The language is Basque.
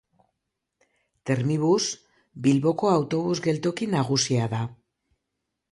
Termibus Bilboko autobus geltoki nagusia da.